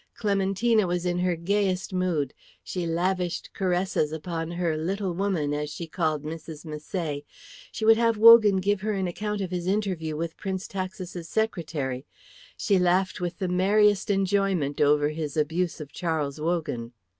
Clementina was in her gayest mood; she lavished caresses upon her "little woman," as she called Mrs. Misset; she would have Wogan give her an account of his interview with Prince Taxis's secretary; she laughed with the merriest enjoyment over his abuse of Charles Wogan.